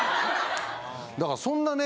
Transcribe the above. だからそんなね